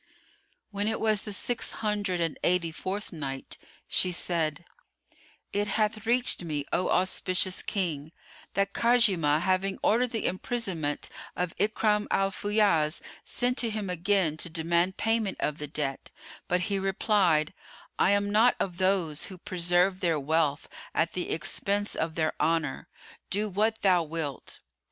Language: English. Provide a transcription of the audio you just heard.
When it was the Six Hundred and Eighty fourth Night, She said, It hath reached me, O auspicious King, that Khuzaymah, having ordered the imprisonment of Ikrimah Al Fayyaz, sent to him again to demand payment of the debt; but he replied, "I am not of those who preserve their wealth at the expense of their honour; do what thou wilt."